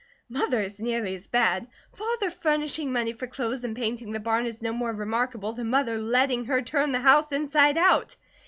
"Mother is nearly as bad. Father furnishing money for clothes and painting the barn is no more remarkable than Mother letting her turn the house inside out.